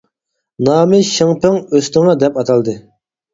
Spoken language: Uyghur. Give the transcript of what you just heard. نامى شىڭ پىڭ ئۆستىڭى دەپ ئاتالدى.